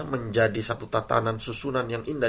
menjadi satu tatanan susunan yang indah